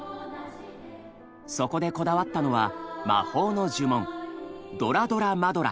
そこでこだわったのは魔法の呪文「ドラドラマドラ！